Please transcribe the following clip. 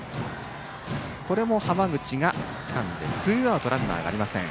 これも浜口がつかんでツーアウトランナーありません。